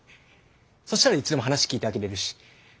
そしたらいつでも話聞いてあげれるし。